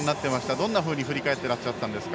どんなふうに振り返ってらっしゃいましたか。